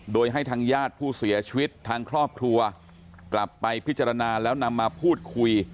โดยให้ทางญาติผู้เสียชีวิตทางครอบครัวกลับไปพิจารณาแล้วนำมาพูดคุย